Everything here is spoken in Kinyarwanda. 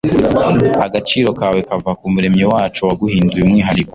agaciro kawe kava kumuremyi wacu waguhinduye umwihariko